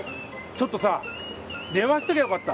ちょっとさ電話しときゃよかった。